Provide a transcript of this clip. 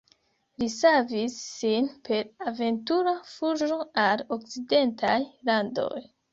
Li savis sin per aventura fuĝo al okcidentaj landoj.